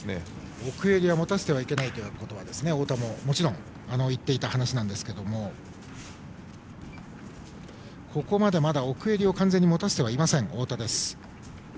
奥襟は持たせてはいけないという話は太田ももちろんしていたんですがここまでまだ奥襟を完全に持たせていない太田です。